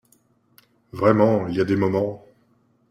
Vraiment, il y a des moments…